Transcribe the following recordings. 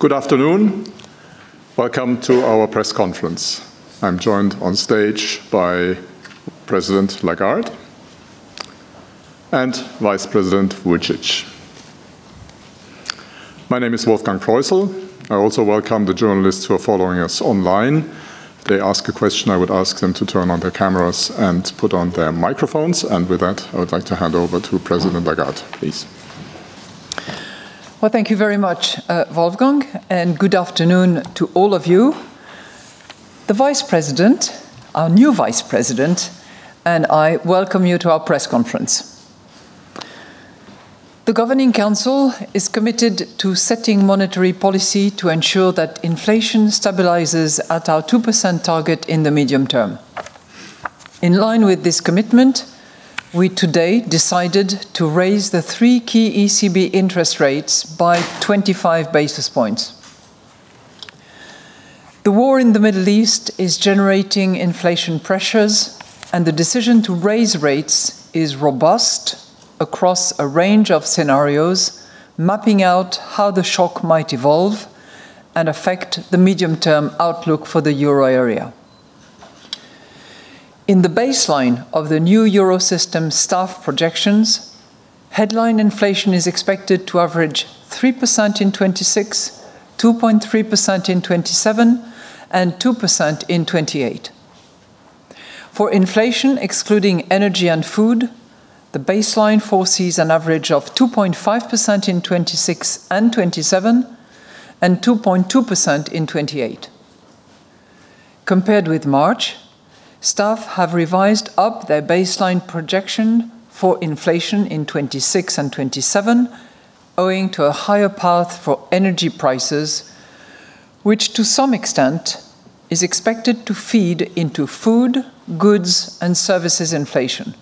Good afternoon. Welcome to our press conference. I am joined on stage by President Lagarde and Vice President Vujčić. My name is Wolfgang Proissl. I also welcome the journalists who are following us online. If they ask a question, I would ask them to turn on their cameras and put on their microphones. With that, I would like to hand over to President Lagarde, please. Well, thank you very much, Wolfgang, and good afternoon to all of you. The Vice President, our new Vice President, and I welcome you to our press conference. The Governing Council is committed to setting monetary policy to ensure that inflation stabilizes at our 2% target in the medium term. In line with this commitment, we today decided to raise the three key ECB interest rates by 25 basis points. The war in the Middle East is generating inflation pressures. The decision to raise rates is robust across a range of scenarios, mapping out how the shock might evolve and affect the medium-term outlook for the euro area. In the baseline of the new Eurosystem staff projections, headline inflation is expected to average 3% in 2026, 2.3% in 2027, and 2% in 2028. For inflation excluding energy and food, the baseline foresees an average of 2.5% in 2026 and 2027, and 2.2% in 2028. Compared with March, staff have revised up their baseline projection for inflation in 2026 and 2027 owing to a higher path for energy prices, which to some extent is expected to feed into food, goods, and services inflation.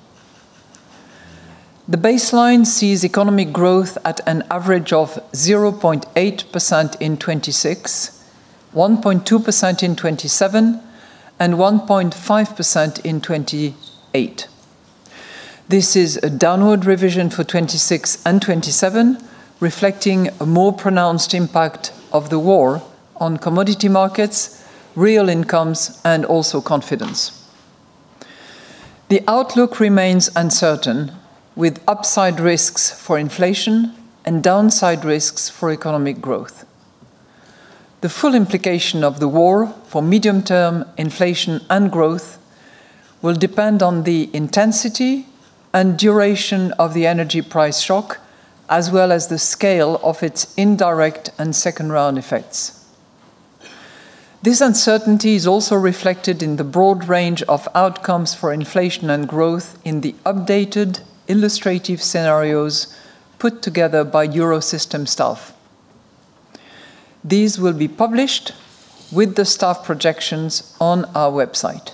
The baseline sees economic growth at an average of 0.8% in 2026, 1.2% in 2027, and 1.5% in 2028. This is a downward revision for 2026 and 2027, reflecting a more pronounced impact of the war on commodity markets, real incomes, and also confidence. The outlook remains uncertain, with upside risks for inflation and downside risks for economic growth. The full implication of the war for medium-term inflation and growth will depend on the intensity and duration of the energy price shock, as well as the scale of its indirect and second-round effects. This uncertainty is also reflected in the broad range of outcomes for inflation and growth in the updated illustrative scenarios put together by Eurosystem staff. These will be published with the staff projections on our website.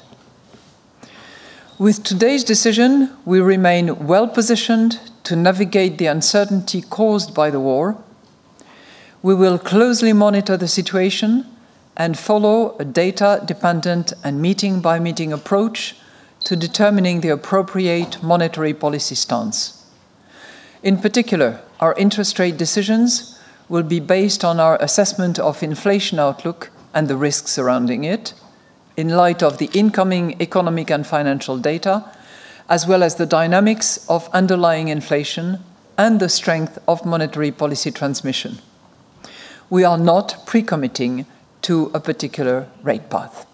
With today's decision, we remain well-positioned to navigate the uncertainty caused by the war. We will closely monitor the situation and follow a data-dependent and meeting-by-meeting approach to determining the appropriate monetary policy stance. In particular, our interest rate decisions will be based on our assessment of inflation outlook and the risks surrounding it in light of the incoming economic and financial data, as well as the dynamics of underlying inflation and the strength of monetary policy transmission. We are not pre-committing to a particular rate path.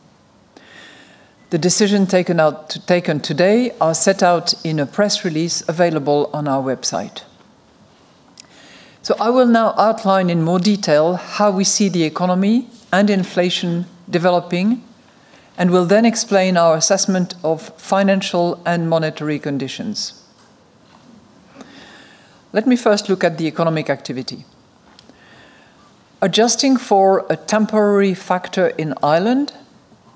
The decisions taken today are set out in a press release available on our website. I will now outline in more detail how we see the economy and inflation developing, and will then explain our assessment of financial and monetary conditions. Let me first look at the economic activity. Adjusting for a temporary factor in Ireland,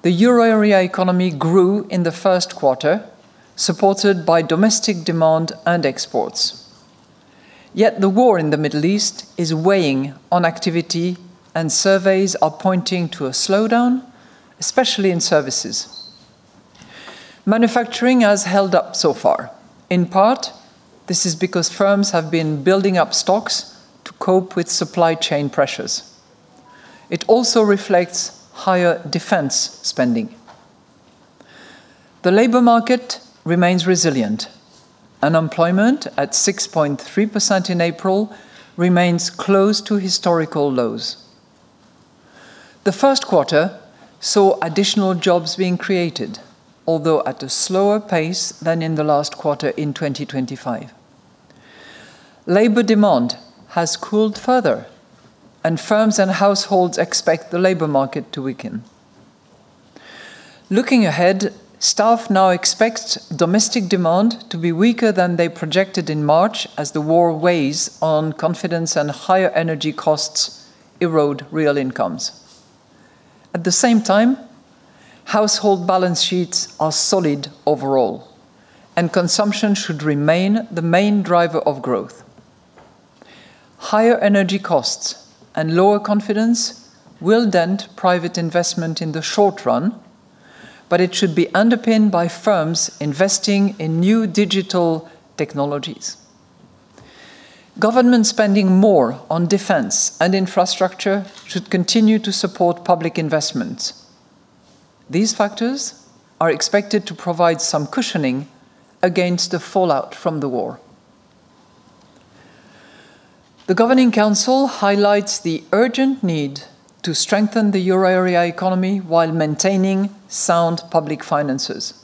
the euro area economy grew in the first quarter, supported by domestic demand and exports. The war in the Middle East is weighing on activity, and surveys are pointing to a slowdown, especially in services. Manufacturing has held up so far. In part, this is because firms have been building up stocks to cope with supply chain pressures. It also reflects higher defense spending. The labor market remains resilient. Unemployment at 6.3% in April remains close to historical lows. The first quarter saw additional jobs being created, although at a slower pace than in the last quarter in 2025. Labor demand has cooled further, and firms and households expect the labor market to weaken. Looking ahead, staff now expect domestic demand to be weaker than they projected in March as the war weighs on confidence and higher energy costs erode real incomes. At the same time, household balance sheets are solid overall, and consumption should remain the main driver of growth. Higher energy costs and lower confidence will dent private investment in the short run. It should be underpinned by firms investing in new digital technologies. Government spending more on defense and infrastructure should continue to support public investments. These factors are expected to provide some cushioning against the fallout from the war. The Governing Council highlights the urgent need to strengthen the euro area economy while maintaining sound public finances.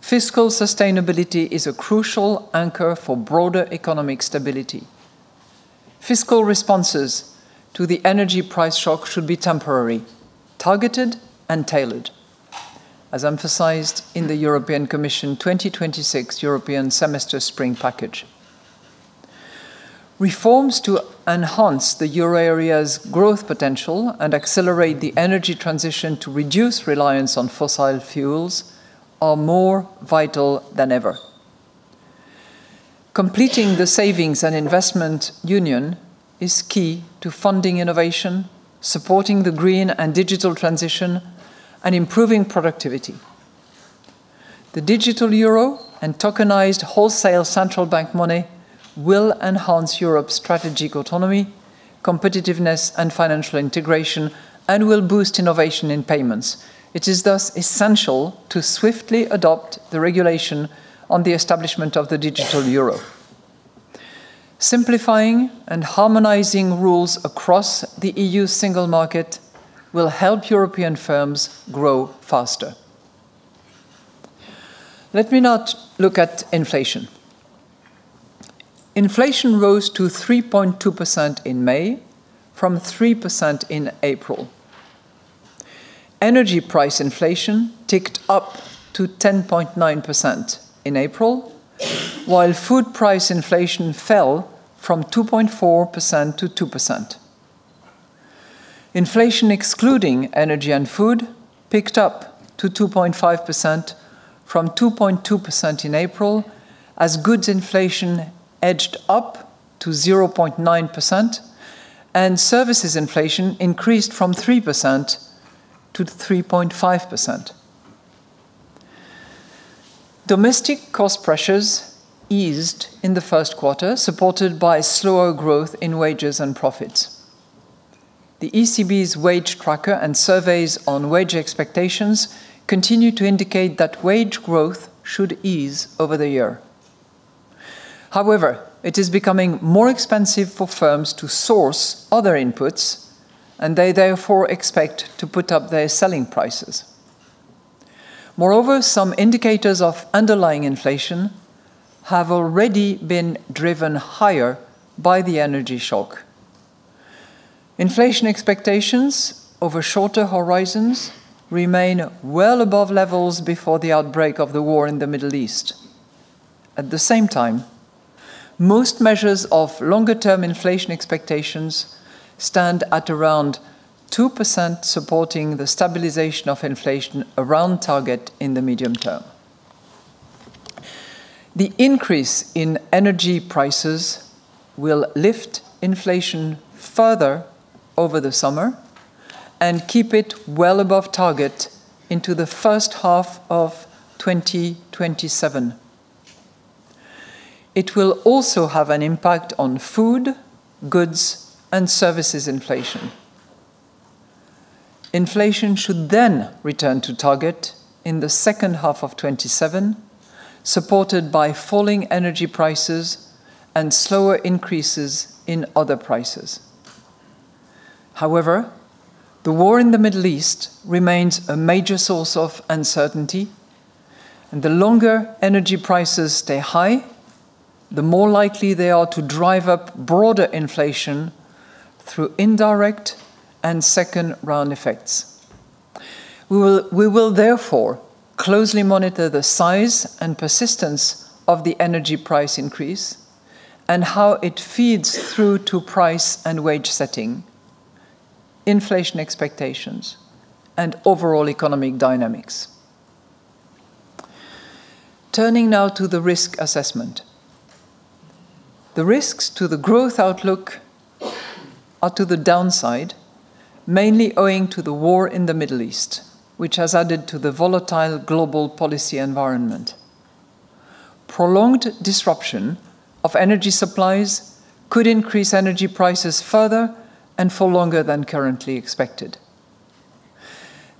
Fiscal sustainability is a crucial anchor for broader economic stability. Fiscal responses to the energy price shock should be temporary, targeted, and tailored, as emphasized in the European Commission 2026 European Semester Spring Package. Reforms to enhance the euro area's growth potential and accelerate the energy transition to reduce reliance on fossil fuels are more vital than ever. Completing the savings and investment union is key to funding innovation, supporting the green and digital transition, and improving productivity. The digital euro and tokenized wholesale central bank money will enhance Europe's strategic autonomy, competitiveness, and financial integration, and will boost innovation in payments. It is thus essential to swiftly adopt the Regulation on the establishment of the digital euro. Simplifying and harmonizing rules across the EU Single Market will help European firms grow faster. Let me now look at inflation. Inflation rose to 3.2% in May from 3% in April. Energy price inflation ticked up to 10.9% in April, while food price inflation fell from 2.4% to 2%. Inflation excluding energy and food picked up to 2.5% from 2.2% in April, as goods inflation edged up to 0.9% and services inflation increased from 3% to 3.5%. Domestic cost pressures eased in the first quarter, supported by slower growth in wages and profits. The ECB's wage tracker and surveys on wage expectations continue to indicate that wage growth should ease over the year. However, it is becoming more expensive for firms to source other inputs, and they therefore expect to put up their selling prices. Moreover, some indicators of underlying inflation have already been driven higher by the energy shock. Inflation expectations over shorter horizons remain well above levels before the outbreak of the war in the Middle East. At the same time, most measures of longer-term inflation expectations stand at around 2%, supporting the stabilization of inflation around target in the medium term. The increase in energy prices will lift inflation further over the summer and keep it well above target into the first half of 2027. It will also have an impact on food, goods, and services inflation. Inflation should then return to target in the second half of 2027, supported by falling energy prices and slower increases in other prices. However, the war in the Middle East remains a major source of uncertainty, and the longer energy prices stay high, the more likely they are to drive up broader inflation through indirect and second-round effects. We will therefore closely monitor the size and persistence of the energy price increase and how it feeds through to price and wage setting, inflation expectations, and overall economic dynamics. Turning now to the risk assessment. The risks to the growth outlook are to the downside, mainly owing to the war in the Middle East, which has added to the volatile global policy environment. Prolonged disruption of energy supplies could increase energy prices further and for longer than currently expected.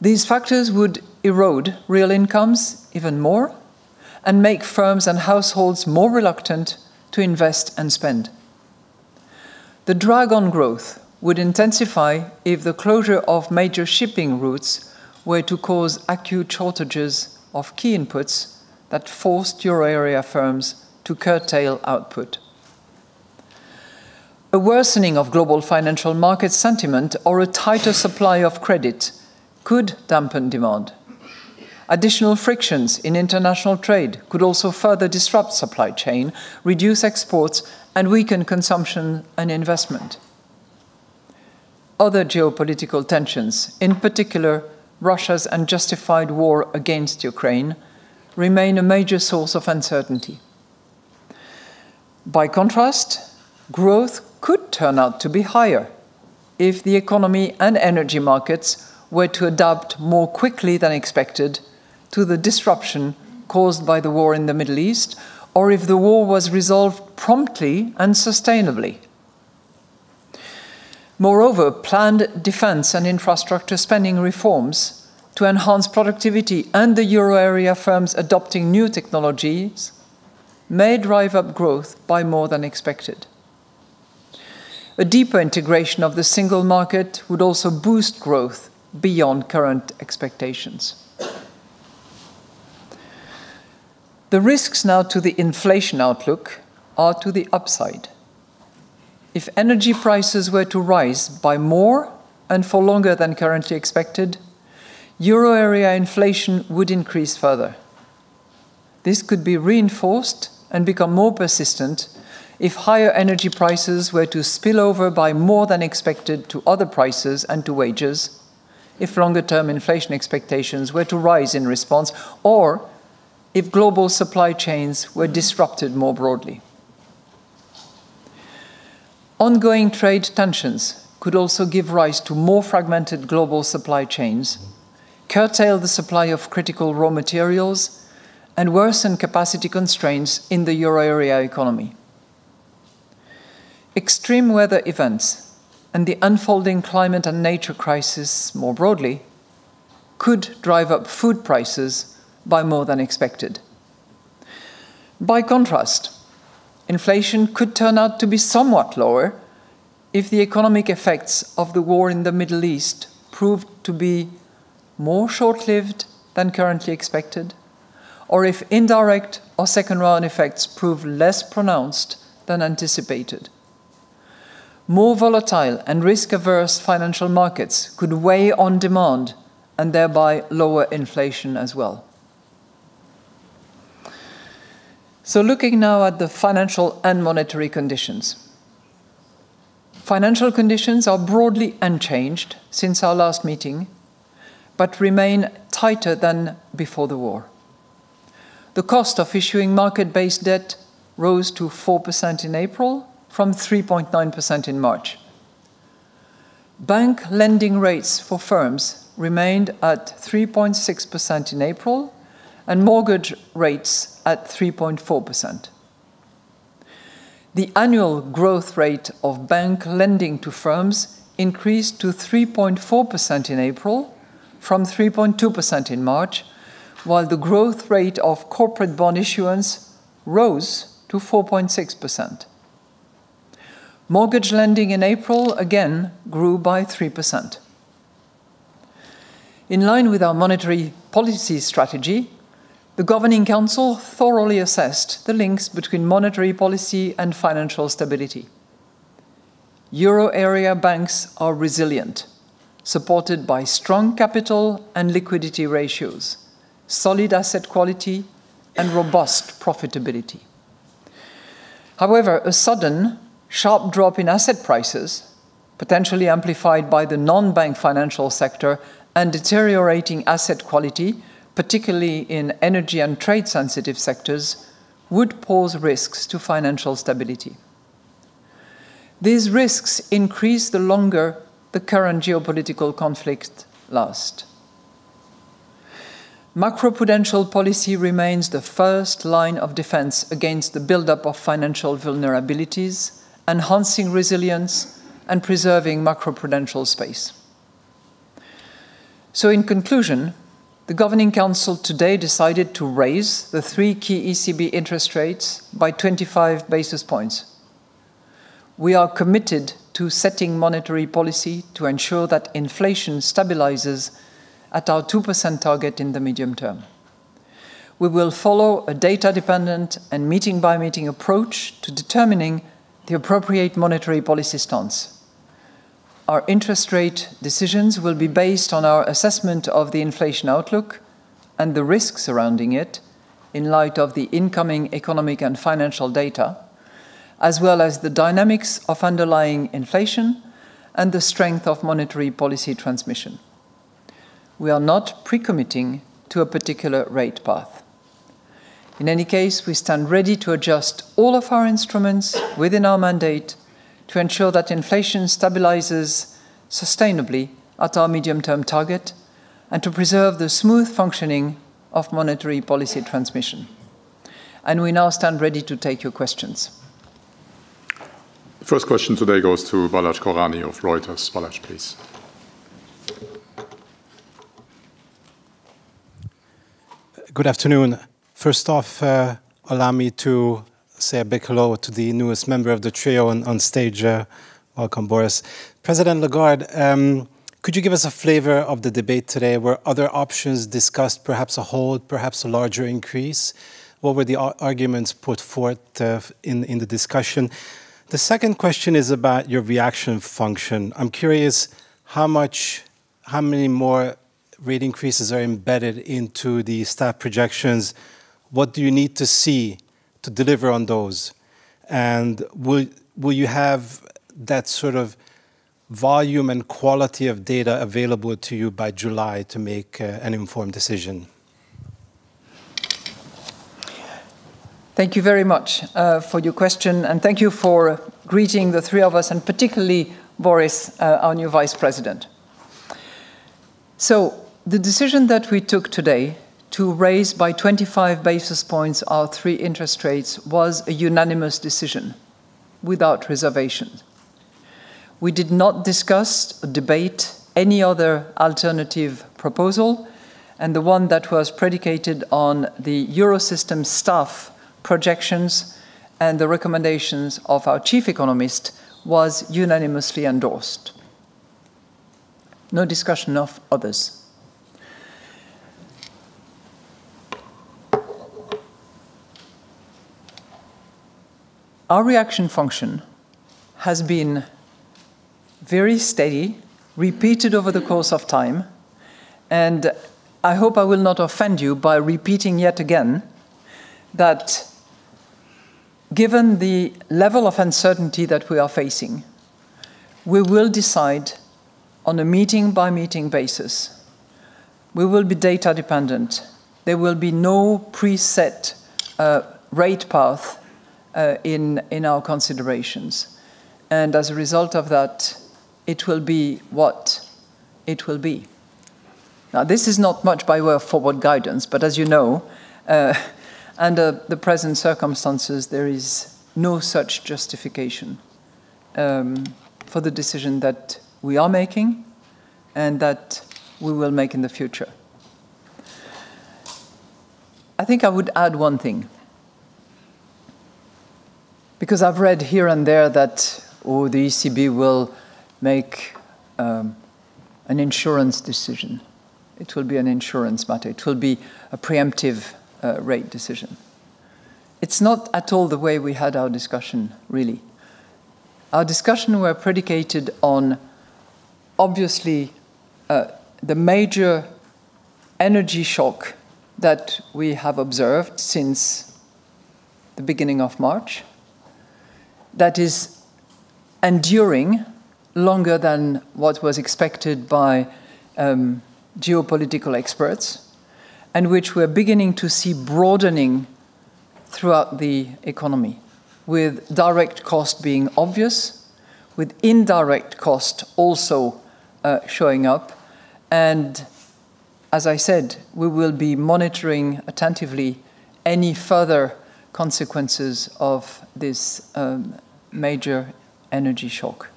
These factors would erode real incomes even more and make firms and households more reluctant to invest and spend. The drag on growth would intensify if the closure of major shipping routes were to cause acute shortages of key inputs that forced euro area firms to curtail output. A worsening of global financial market sentiment or a tighter supply of credit could dampen demand. Additional frictions in international trade could also further disrupt supply chain, reduce exports, and weaken consumption and investment. Other geopolitical tensions, in particular, Russia's unjustified war against Ukraine, remain a major source of uncertainty. By contrast, growth could turn out to be higher if the economy and energy markets were to adapt more quickly than expected to the disruption caused by the war in the Middle East, or if the war was resolved promptly and sustainably. Moreover, planned defense and infrastructure spending reforms to enhance productivity and the euro area firms adopting new technologies may drive up growth by more than expected. A deeper integration of the Single Market would also boost growth beyond current expectations. The risks now to the inflation outlook are to the upside. If energy prices were to rise by more and for longer than currently expected, euro area inflation would increase further. This could be reinforced and become more persistent if higher energy prices were to spill over by more than expected to other prices and to wages, if longer-term inflation expectations were to rise in response, or if global supply chains were disrupted more broadly. Ongoing trade tensions could also give rise to more fragmented global supply chains, curtail the supply of critical raw materials, and worsen capacity constraints in the euro area economy. Extreme weather events and the unfolding climate and nature crisis more broadly could drive up food prices by more than expected. By contrast, inflation could turn out to be somewhat lower if the economic effects of the war in the Middle East prove to be more short-lived than currently expected, or if indirect or second-round effects prove less pronounced than anticipated. More volatile and risk-averse financial markets could weigh on demand and thereby lower inflation as well. Looking now at the financial and monetary conditions. Financial conditions are broadly unchanged since our last meeting but remain tighter than before the war. The cost of issuing market-based debt rose to 4% in April from 3.9% in March. Bank lending rates for firms remained at 3.6% in April, and mortgage rates at 3.4%. The annual growth rate of bank lending to firms increased to 3.4% in April from 3.2% in March, while the growth rate of corporate bond issuance rose to 4.6%. Mortgage lending in April again grew by 3%. In line with our monetary policy strategy, the Governing Council thoroughly assessed the links between monetary policy and financial stability. Euro area banks are resilient, supported by strong capital and liquidity ratios, solid asset quality, and robust profitability. However, a sudden sharp drop in asset prices, potentially amplified by the non-bank financial sector and deteriorating asset quality, particularly in energy and trade-sensitive sectors, would pose risks to financial stability. These risks increase the longer the current geopolitical conflict lasts. Macroprudential policy remains the first line of defense against the buildup of financial vulnerabilities, enhancing resilience, and preserving macroprudential space. In conclusion, the Governing Council today decided to raise the three key ECB interest rates by 25 basis points. We are committed to setting monetary policy to ensure that inflation stabilizes at our 2% target in the medium term. We will follow a data-dependent and meeting-by-meeting approach to determining the appropriate monetary policy stance. Our interest rate decisions will be based on our assessment of the inflation outlook and the risks surrounding it in light of the incoming economic and financial data, as well as the dynamics of underlying inflation and the strength of monetary policy transmission. We are not pre-committing to a particular rate path. In any case, we stand ready to adjust all of our instruments within our mandate to ensure that inflation stabilizes sustainably at our medium-term target and to preserve the smooth functioning of monetary policy transmission. We now stand ready to take your questions. First question today goes to Balazs Koranyi of Reuters. Balazs, please. Good afternoon. First off, allow me to say a big hello to the newest member of the trio on stage. Welcome, Boris. President Lagarde, could you give us a flavor of the debate today? Were other options discussed, perhaps a hold, perhaps a larger increase? What were the arguments put forth in the discussion? The second question is about your reaction function. I am curious how many more rate increases are embedded into the staff projections. What do you need to see to deliver on those? Will you have that sort of volume and quality of data available to you by July to make an informed decision? Thank you very much for your question, and thank you for greeting the three of us, and particularly Boris, our new Vice-President. The decision that we took today to raise by 25 basis points our three interest rates was a unanimous decision, without reservation. We did not discuss or debate any other alternative proposal. The one that was predicated on the Eurosystem staff projections and the recommendations of our chief economist was unanimously endorsed. No discussion of others. Our reaction function has been very steady, repeated over the course of time. I hope I will not offend you by repeating yet again that given the level of uncertainty that we are facing, we will decide on a meeting-by-meeting basis. We will be data dependent. There will be no preset rate path in our considerations. As a result of that, it will be what it will be. This is not much by way of forward guidance, but as you know, under the present circumstances, there is no such justification for the decision that we are making and that we will make in the future. I think I would add one thing, because I have read here and there that, "Oh, the ECB will make an insurance decision. It will be an insurance matter. It will be a preemptive rate decision." It is not at all the way we had our discussion, really. Our discussion were predicated on, obviously, the major energy shock that we have observed since the beginning of March that is enduring longer than what was expected by geopolitical experts, which we are beginning to see broadening throughout the economy, with direct cost being obvious, with indirect cost also showing up. As I said, we will be monitoring attentively any further consequences of this major energy shock.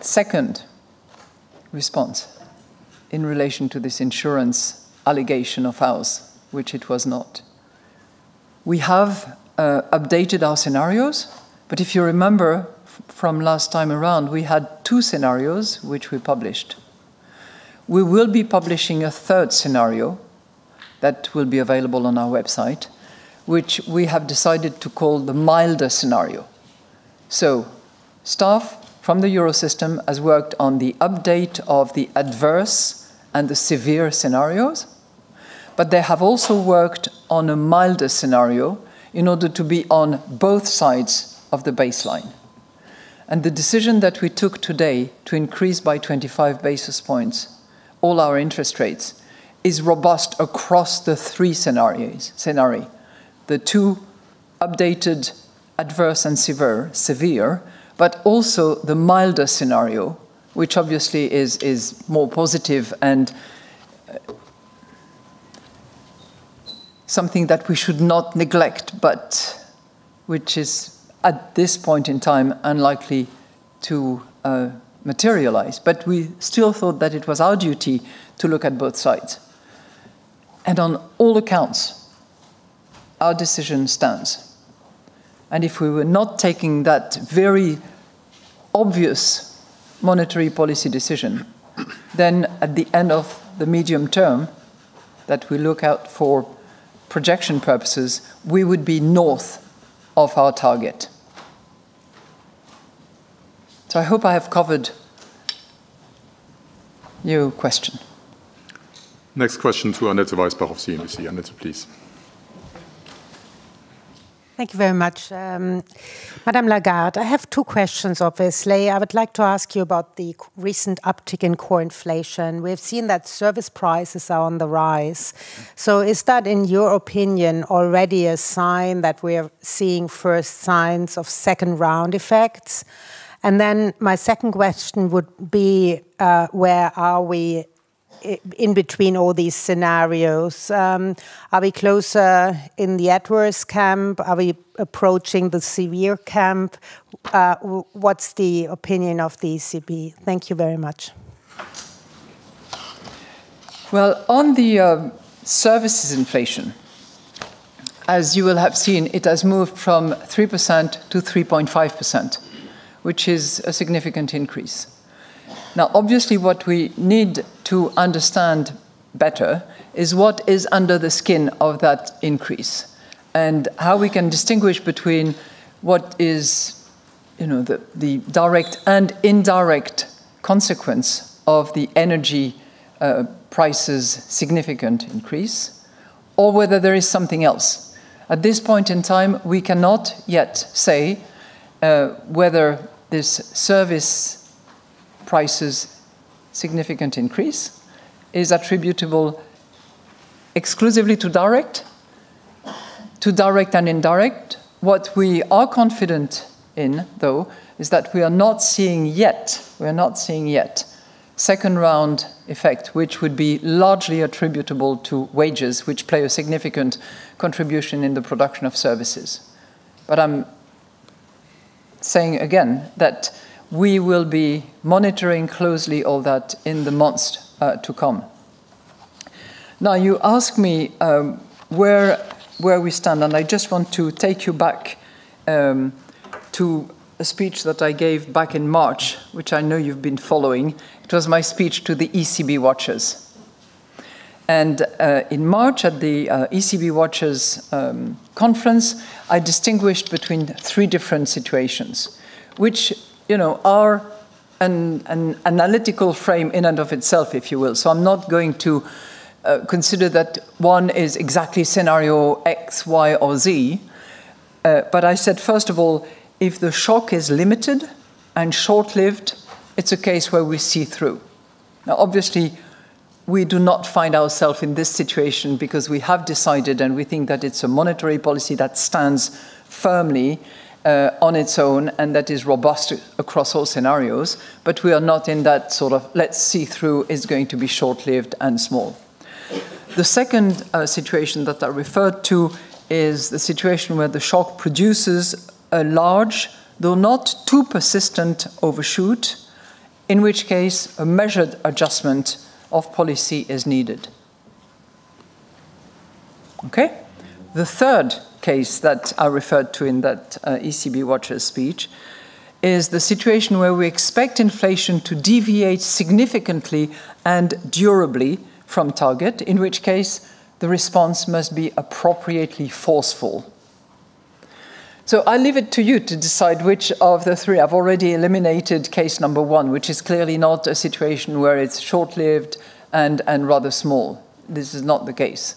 Second response in relation to this insurance allegation of ours, which it was not. We have updated our scenarios. If you remember from last time around, we had two scenarios, which we published. We will be publishing a third scenario that will be available on our website, which we have decided to call the milder scenario. Staff from the Eurosystem has worked on the update of the adverse and the severe scenarios, but they have also worked on a milder scenario in order to be on both sides of the baseline. The decision that we took today to increase by 25 basis points all our interest rates is robust across the three scenarios. The two updated adverse and severe, also the milder scenario, which obviously is more positive and something that we should not neglect, which is at this point in time, unlikely to materialize. We still thought that it was our duty to look at both sides. On all accounts, our decision stands. If we were not taking that very obvious monetary policy decision, then at the end of the medium term that we look out for projection purposes, we would be north of our target. I hope I have covered your question. Next question to Annette Weisbach of CNBC. Annette, please. Thank you very much. President Lagarde, I have two questions, obviously. I would like to ask you about the recent uptick in core inflation. We have seen that service prices are on the rise. Is that, in your opinion, already a sign that we are seeing first signs of second-round effects? My second question would be, where are we in between all these scenarios? Are we closer in the adverse camp? Are we approaching the severe camp? What's the opinion of the ECB? Thank you very much. On the services inflation, as you will have seen, it has moved from 3% to 3.5%, which is a significant increase. Obviously, what we need to understand better is what is under the skin of that increase and how we can distinguish between what is the direct and indirect consequence of the energy prices' significant increase. Or whether there is something else. At this point in time, we cannot yet say whether this service price's significant increase is attributable exclusively to direct and indirect. What we are confident in, though, is that we are not seeing yet second-round effect, which would be largely attributable to wages, which play a significant contribution in the production of services. I'm saying again that we will be monitoring closely all that in the months to come. You ask me where we stand, I just want to take you back to a speech that I gave back in March, which I know you've been following. It was my speech to the ECB Watchers. In March at the ECB Watchers conference, I distinguished between three different situations, which are an analytical frame in and of itself, if you will. I'm not going to consider that one is exactly scenario X, Y, or Z. I said, first of all, if the shock is limited and short-lived, it's a case where we see through. Obviously, we do not find ourselves in this situation because we have decided, we think that it's a monetary policy that stands firmly on its own and that is robust across all scenarios. We are not in that sort of let's see through, is going to be short-lived and small. The second situation that I referred to is the situation where the shock produces a large, though not too persistent, overshoot, in which case a measured adjustment of policy is needed. Okay. The third case that I referred to in that ECB Watchers speech is the situation where we expect inflation to deviate significantly and durably from target, in which case the response must be appropriately forceful. I leave it to you to decide which of the three. I've already eliminated case number one, which is clearly not a situation where it's short-lived and rather small. This is not the case.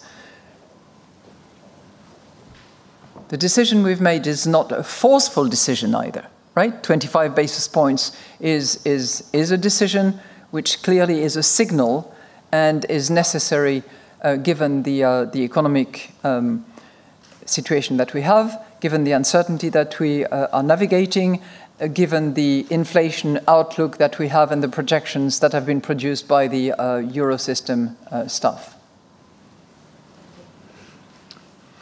The decision we've made is not a forceful decision either, right. 25 basis points is a decision which clearly is a signal, and is necessary given the economic situation that we have, given the uncertainty that we are navigating, given the inflation outlook that we have, and the projections that have been produced by the Eurosystem staff.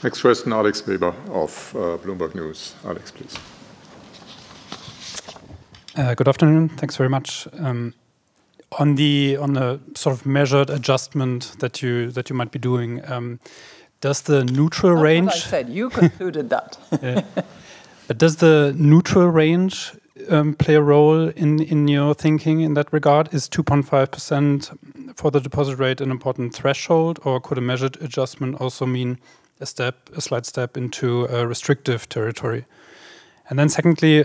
Next question, Alex Weber of Bloomberg News. Alex, please. Good afternoon. Thanks very much. On the sort of measured adjustment that you might be doing, does the neutral range- That's what I said. You concluded that. Yeah. Does the neutral range play a role in your thinking in that regard? Is 2.5% for the deposit rate an important threshold, or could a measured adjustment also mean a slight step into restrictive territory? Secondly,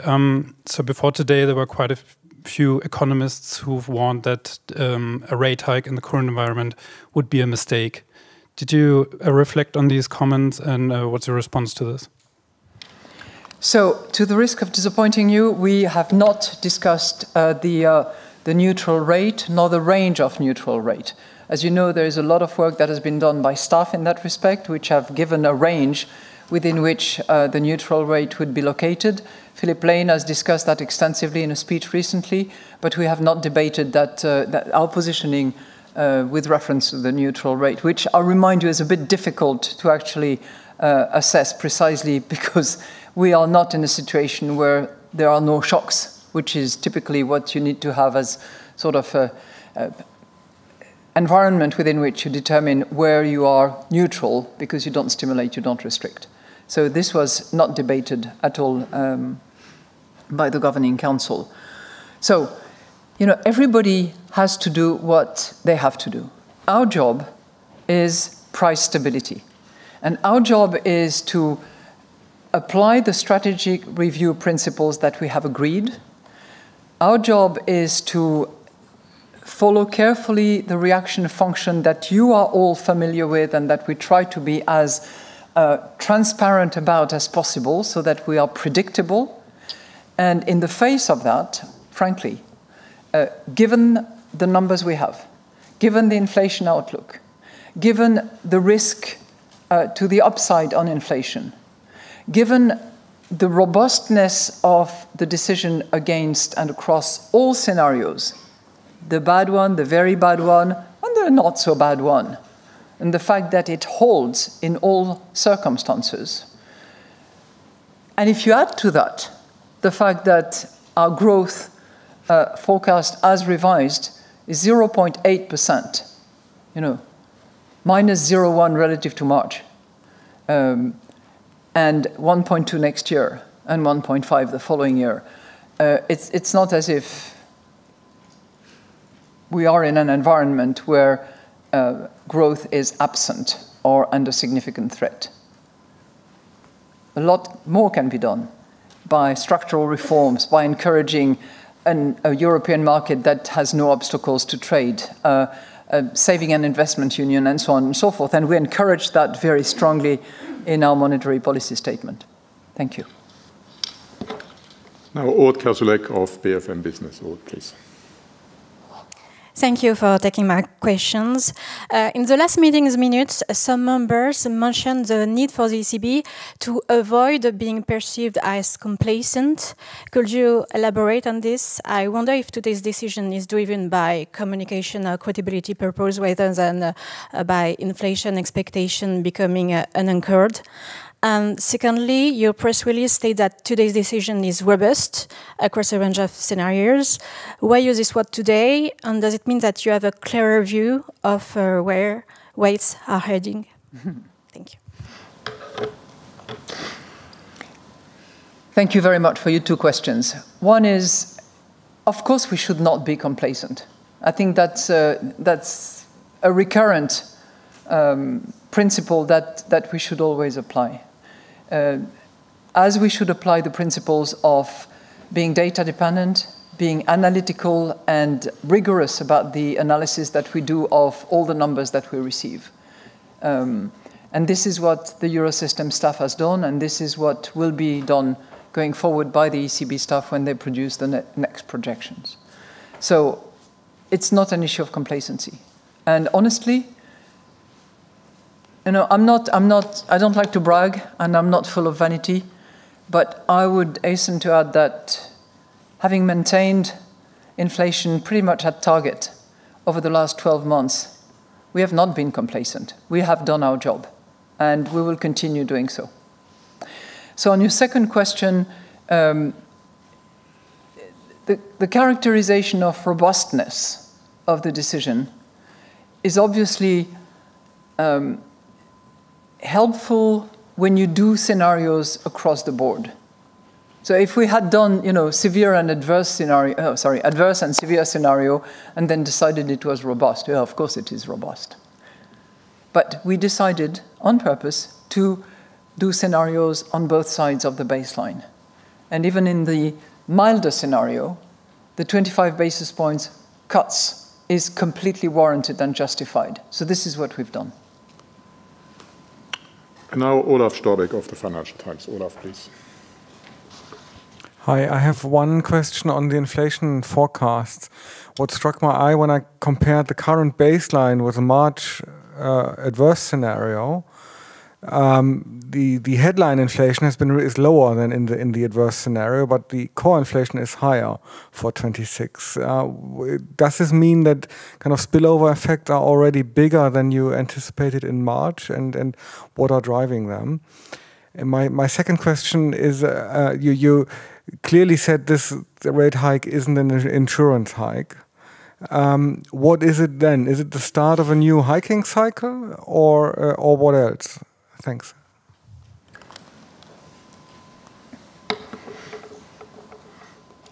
before today, there were quite a few economists who've warned that a rate hike in the current environment would be a mistake. Did you reflect on these comments, and what's your response to this? To the risk of disappointing you, we have not discussed the neutral rate, nor the range of neutral rate. As you know, there is a lot of work that has been done by staff in that respect, which have given a range within which the neutral rate would be located. Philip Lane has discussed that extensively in a speech recently. We have not debated our positioning with reference to the neutral rate, which I'll remind you, is a bit difficult to actually assess precisely because we are not in a situation where there are no shocks, which is typically what you need to have as sort of an environment within which you determine where you are neutral because you don't stimulate, you don't restrict. This was not debated at all by the Governing Council. Everybody has to do what they have to do. Our job is price stability. Our job is to apply the strategic review principles that we have agreed. Our job is to follow carefully the reaction function that you are all familiar with, and that we try to be as transparent about as possible so that we are predictable. In the face of that, frankly, given the numbers we have, given the inflation outlook, given the risk to the upside on inflation, given the robustness of the decision against and across all scenarios, the bad one, the very bad one, and the not so bad one, and the fact that it holds in all circumstances. If you add to that the fact that our growth forecast as revised is 0.8%, -0.1 relative to March, 1.2 next year, and 1.5 the following year, it's not as if we are in an environment where growth is absent or under significant threat. A lot more can be done by structural reforms, by encouraging a European market that has no obstacles to trade, savings and investment union, and so on and so forth. We encourage that very strongly in our monetary policy statement. Thank you. Now, Aude Kersulec of BFM Business. Aude, please. Thank you for taking my questions. In the last meeting's minutes, some members mentioned the need for the ECB to avoid being perceived as complacent. Could you elaborate on this? I wonder if today's decision is driven by communication or credibility purpose rather than by inflation expectation becoming unanchored. Secondly, your press release states that today's decision is robust across a range of scenarios. Why use this word today, and does it mean that you have a clearer view of where rates are heading? Thank you. Thank you very much for your two questions. One is, of course, we should not be complacent. I think that's a recurrent principle that we should always apply, as we should apply the principles of being data-dependent, being analytical, and rigorous about the analysis that we do of all the numbers that we receive. This is what the Eurosystem staff has done, and this is what will be done going forward by the ECB staff when they produce the next projections. It's not an issue of complacency. Honestly, I don't like to brag, and I'm not full of vanity, but I would hasten to add that having maintained inflation pretty much at target over the last 12 months, we have not been complacent. We have done our job and we will continue doing so. On your second question, the characterization of robustness of the decision is obviously helpful when you do scenarios across the board. If we had done adverse and severe scenario, and then decided it was robust, yeah, of course, it is robust. We decided on purpose to do scenarios on both sides of the baseline. Even in the milder scenario, the 25 basis points cuts is completely warranted and justified. This is what we've done. Now Olaf Storbeck of the Financial Times. Olaf, please. Hi, I have one question on the inflation forecast. What struck my eye when I compared the current baseline with the March adverse scenario, the headline inflation is lower than in the adverse scenario, but the core inflation is higher for 2026. Does this mean that spillover effects are already bigger than you anticipated in March? What are driving them? My second question is, you clearly said the rate hike isn't an insurance hike. What is it then? Is it the start of a new hiking cycle or what else? Thanks.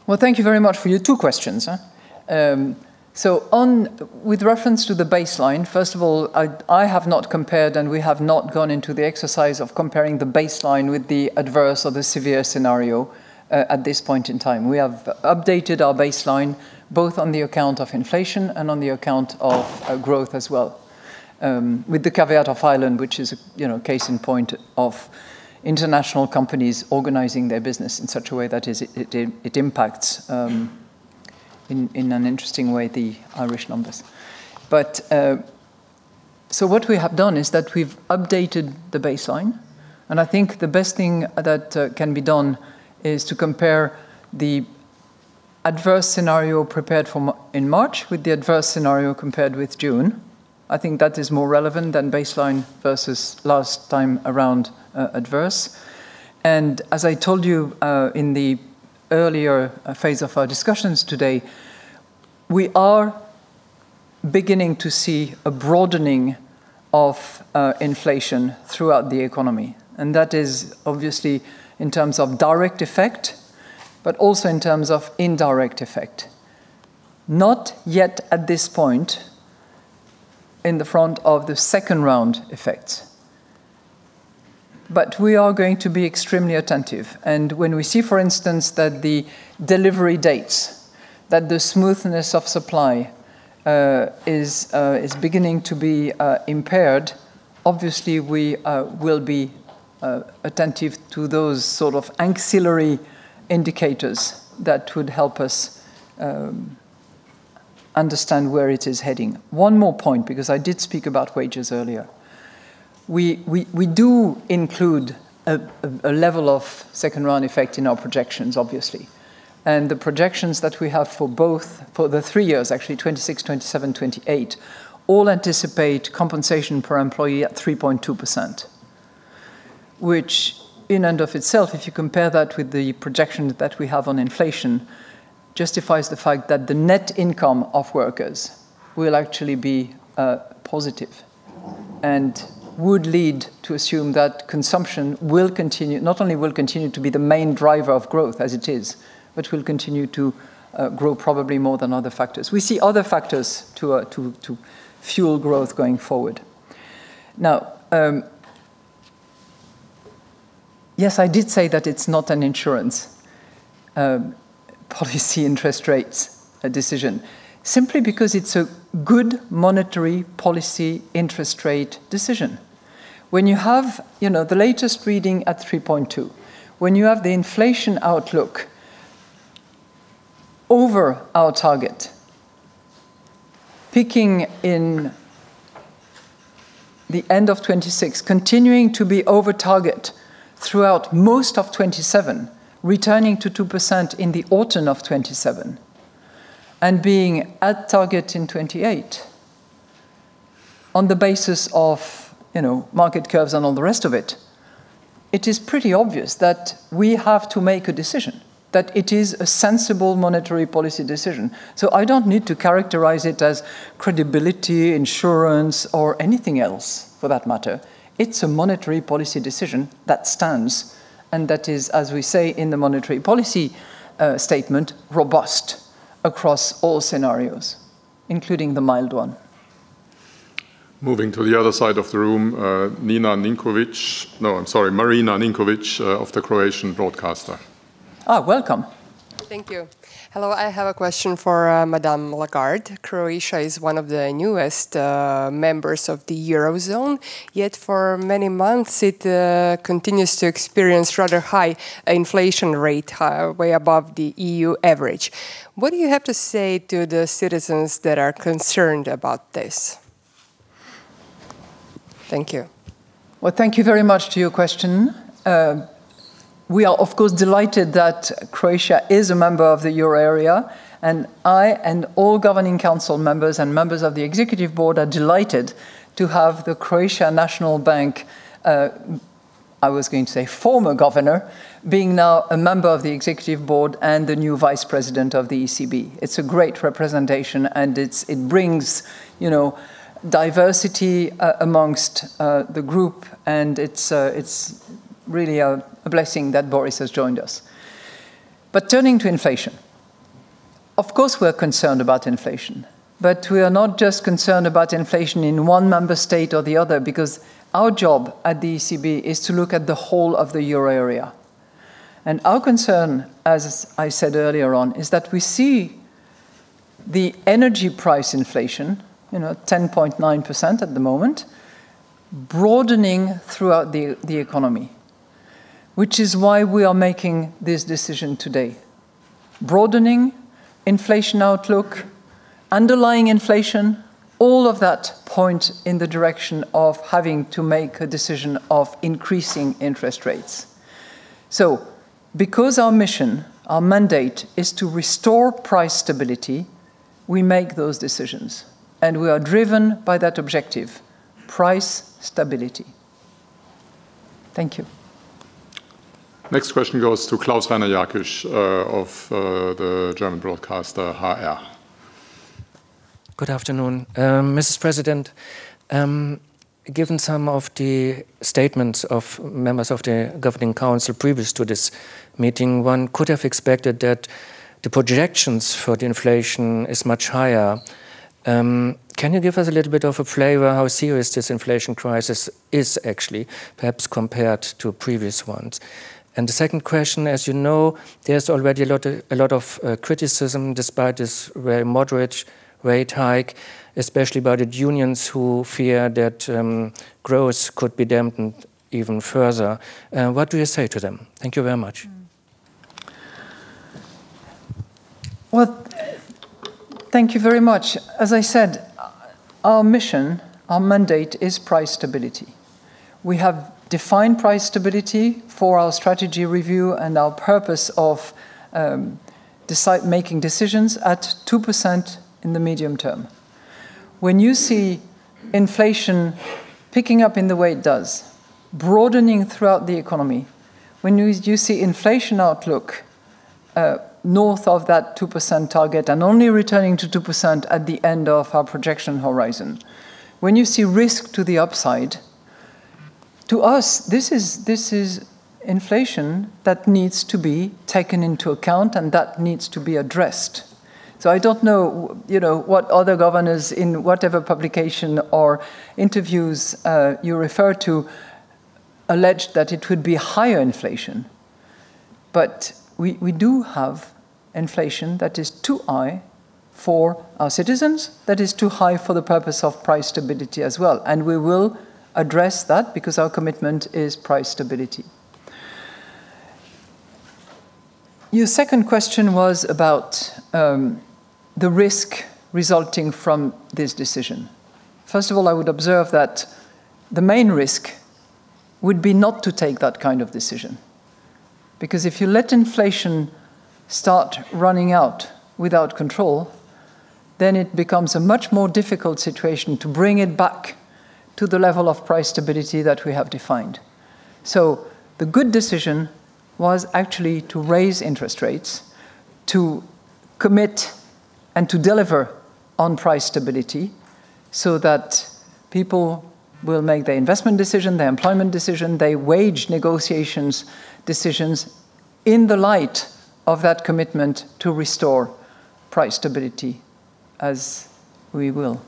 Well, thank you very much for your two questions. With reference to the baseline, first of all, I have not compared and we have not gone into the exercise of comparing the baseline with the adverse or the severe scenario at this point in time. We have updated our baseline both on the account of inflation and on the account of growth as well, with the caveat of Ireland, which is a case in point of international companies organizing their business in such a way that it impacts, in an interesting way, the Irish numbers. What we have done is that we've updated the baseline, and I think the best thing that can be done is to compare the adverse scenario prepared in March with the adverse scenario compared with June. I think that is more relevant than baseline versus last time around adverse. As I told you in the earlier phase of our discussions today, we are beginning to see a broadening of inflation throughout the economy. That is obviously in terms of direct effect, but also in terms of indirect effect. Not yet at this point in the front of the second-round effects, but we are going to be extremely attentive. When we see, for instance, that the delivery dates, that the smoothness of supply is beginning to be impaired, obviously we will be attentive to those sort of ancillary indicators that would help us understand where it is heading. One more point, because I did speak about wages earlier. We do include a level of second-round effect in our projections, obviously. The projections that we have for the three years, actually, 2026, 2027, 2028, all anticipate compensation per employee at 3.2%, which in and of itself, if you compare that with the projection that we have on inflation, justifies the fact that the net income of workers will actually be positive and would lead to assume that consumption not only will continue to be the main driver of growth as it is, but will continue to grow probably more than other factors. We see other factors to fuel growth going forward. Now, yes, I did say that it's not an insurance policy interest rates decision, simply because it's a good monetary policy interest rate decision. When you have the latest reading at 3.2%, when you have the inflation outlook over our target, peaking in the end of 2026, continuing to be over target throughout most of 2027, returning to 2% in the autumn of 2027, and being at target in 2028 on the basis of market curves and all the rest of it is pretty obvious that we have to make a decision, that it is a sensible monetary policy decision. I don't need to characterize it as credibility, insurance, or anything else for that matter. It's a monetary policy decision that stands, and that is, as we say in the monetary policy statement, robust across all scenarios, including the mild one. Moving to the other side of the room, Marina Ninković. No, I'm sorry, Marina Ninković of the Croatian Broadcaster. Oh, welcome. Thank you. Hello. I have a question for Madame Lagarde. Croatia is one of the newest members of the Eurozone, yet for many months it continues to experience rather high inflation rate, way above the EU average. What do you have to say to the citizens that are concerned about this? Thank you. Well, thank you very much to your question. We are of course delighted that Croatia is a member of the euro area, and I and all Governing Council members and members of the Executive Board are delighted to have the Croatian National Bank, I was going to say former governor, being now a member of the Executive Board and the new Vice-President of the ECB. It's a great representation, and it brings diversity amongst the group, and it's really a blessing that Boris has joined us. Turning to inflation, of course, we're concerned about inflation. We are not just concerned about inflation in one member state or the other because our job at the ECB is to look at the whole of the euro area. Our concern, as I said earlier on, is that we see the energy price inflation, 10.9% at the moment, broadening throughout the economy, which is why we are making this decision today. Broadening inflation outlook, underlying inflation, all of that point in the direction of having to make a decision of increasing interest rates. Because our mission, our mandate, is to restore price stability, we make those decisions, and we are driven by that objective, price stability. Thank you. Next question goes to Klaus-Rainer Jackisch of the German broadcaster HR. Good afternoon. Mrs. President, given some of the statements of members of the Governing Council previous to this meeting, one could have expected that the projections for the inflation is much higher. Can you give us a little bit of a flavor how serious this inflation crisis is actually, perhaps compared to previous ones? The second question, as you know, there's already a lot of criticism despite this very moderate rate hike, especially by the unions who fear that growth could be dampened even further. What do you say to them? Thank you very much. Well, thank you very much. As I said, our mission, our mandate, is price stability. We have defined price stability for our strategic review and our purpose of making decisions at 2% in the medium term. When you see inflation picking up in the way it does, broadening throughout the economy, when you see inflation outlook north of that 2% target and only returning to 2% at the end of our projection horizon, when you see risk to the upside, to us, this is inflation that needs to be taken into account and that needs to be addressed. I do not know what other governors in whatever publication or interviews you refer to allege that it would be higher inflation, but we do have inflation that is too high for our citizens, that is too high for the purpose of price stability as well, and we will address that because our commitment is price stability. Your second question was about the risk resulting from this decision. First of all, I would observe that the main risk would be not to take that kind of decision, because if you let inflation start running out without control, then it becomes a much more difficult situation to bring it back to the level of price stability that we have defined. The good decision was actually to raise interest rates, to commit and to deliver on price stability so that people will make their investment decision, their employment decision, their wage negotiations decisions in the light of that commitment to restore price stability as we will.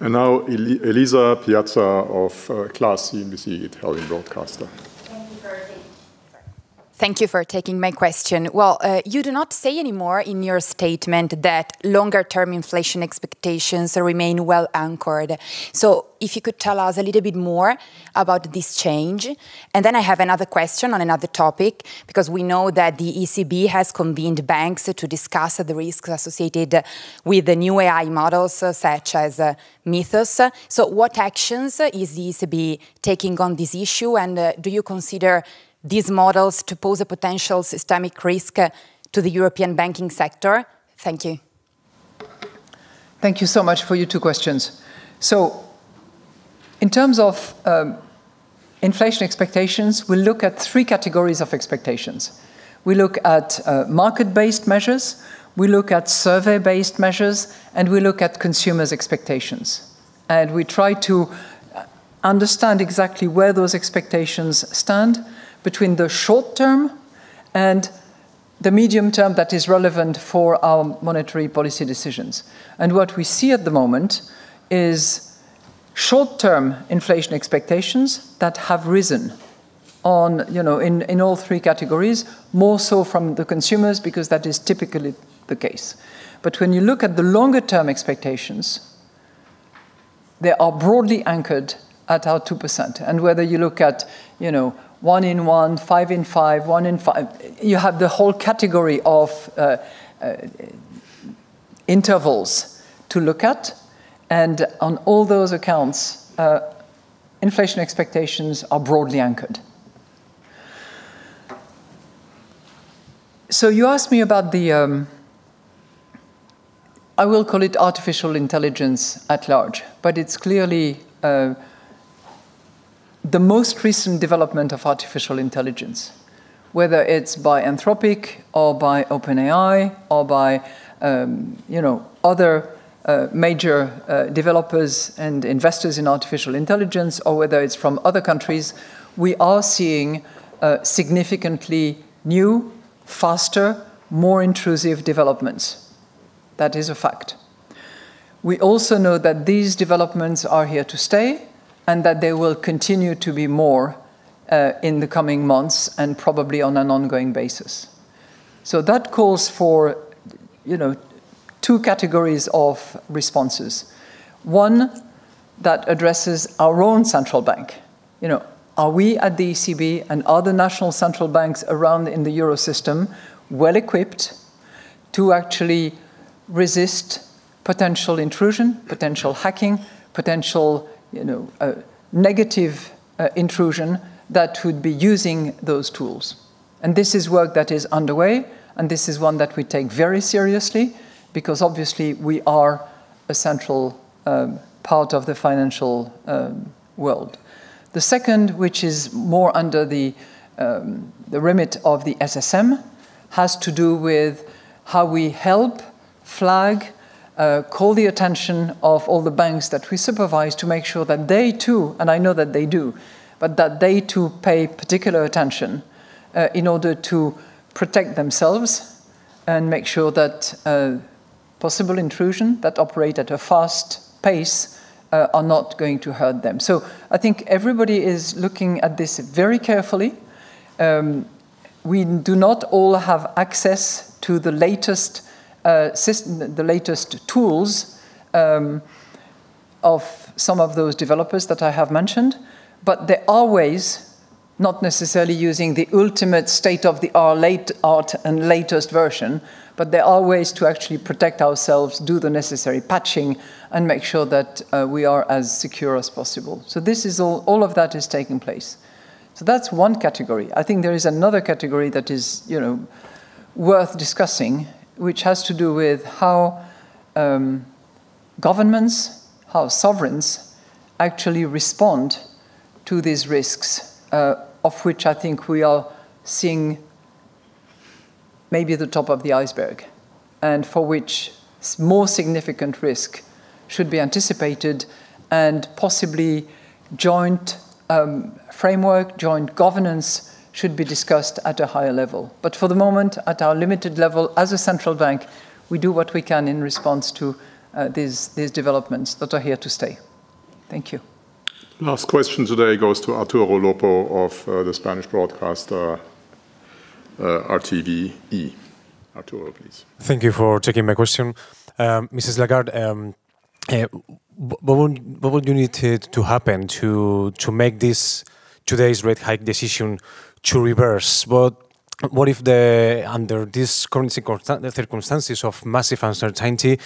Now Elisa Piazza of Class CNBC, Italian broadcaster. Thank you for taking my question. Well, you do not say anymore in your statement that longer-term inflation expectations remain well anchored. If you could tell us a little bit more about this change, then I have another question on another topic, because we know that the ECB has convened banks to discuss the risks associated with the new AI models such as Mistral. What actions is the ECB taking on this issue? Do you consider these models to pose a potential systemic risk to the European banking sector? Thank you. Thank you so much for your two questions. In terms of inflation expectations, we look at three categories of expectations. We look at market-based measures, we look at survey-based measures, and we look at consumers' expectations. We try to understand exactly where those expectations stand between the short term and the medium term that is relevant for our monetary policy decisions. What we see at the moment is short-term inflation expectations that have risen in all three categories, more so from the consumers because that is typically the case. When you look at the longer-term expectations, they are broadly anchored at our 2%. Whether you look at one in one, five in five, one in five, you have the whole category of intervals to look at. On all those accounts, inflation expectations are broadly anchored. You asked me about the, I will call it artificial intelligence at large, but it's clearly the most recent development of artificial intelligence, whether it's by Anthropic or by OpenAI or by other major developers and investors in artificial intelligence, or whether it's from other countries. We are seeing significantly new, faster, more intrusive developments. That is a fact. We also know that these developments are here to stay, and that there will continue to be more in the coming months, and probably on an ongoing basis. That calls for two categories of responses. One that addresses our own central bank. Are we at the ECB and other national central banks around in the Eurosystem well-equipped to actually resist potential intrusion, potential hacking, potential negative intrusion that would be using those tools? This is work that is underway, and this is one that we take very seriously because obviously we are a central part of the financial world. The second, which is more under the remit of the SSM, has to do with how we help flag, call the attention of all the banks that we supervise to make sure that they too, and I know that they do, but that they too pay particular attention in order to protect themselves and make sure that possible intrusion that operate at a fast pace are not going to hurt them. I think everybody is looking at this very carefully. We do not all have access to the latest tools of some of those developers that I have mentioned. There are ways, not necessarily using the ultimate state-of-the-art and latest version, but there are ways to actually protect ourselves, do the necessary patching, and make sure that we are as secure as possible. All of that is taking place. That's one category. I think there is another category that is worth discussing, which has to do with how governments, how sovereigns, actually respond to these risks, of which I think we are seeing maybe the top of the iceberg, and for which more significant risk should be anticipated and possibly joint framework, joint governance should be discussed at a higher level. For the moment, at our limited level as a central bank, we do what we can in response to these developments that are here to stay. Thank you. Last question today goes to Arturo Lopo of the Spanish broadcaster RTVE. Arturo, please. Thank you for taking my question. Mrs. Lagarde, what would you need to happen to make today's rate hike decision to reverse? What if under these current circumstances of massive uncertainty,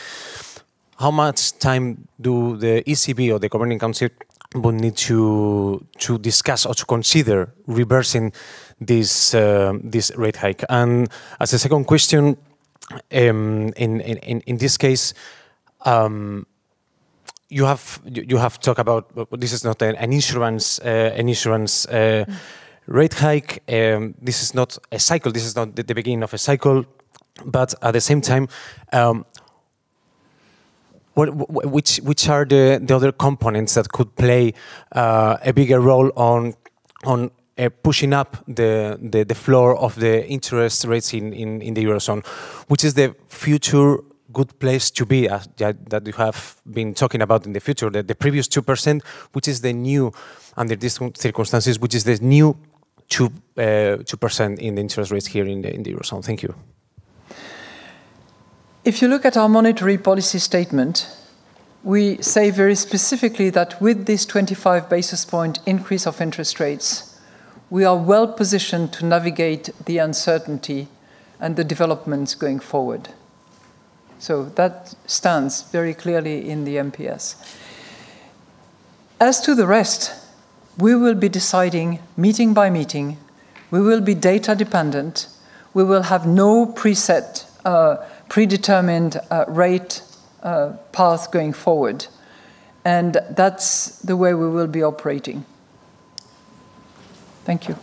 how much time do the ECB or the Governing Council will need to discuss or to consider reversing this rate hike? As a second question, in this case, you have talk about this is not an insurance rate hike. This is not a cycle, this is not the beginning of a cycle, at the same time, which are the other components that could play a bigger role on pushing up the floor of the interest rates in the Eurozone? Which is the future good place to be that you have been talking about in the future? The previous 2%, under these circumstances, which is the new 2% in interest rates here in the Eurozone? Thank you. If you look at our monetary policy statement, we say very specifically that with this 25 basis point increase of interest rates, we are well-positioned to navigate the uncertainty and the developments going forward. That stands very clearly in the MPS. As to the rest, we will be deciding meeting by meeting. We will be data dependent. We will have no preset, predetermined rate path going forward. That's the way we will be operating. Thank you.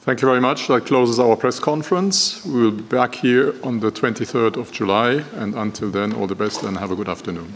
Thank you very much. That closes our press conference. We will be back here on the 23rd of July, until then, all the best and have a good afternoon.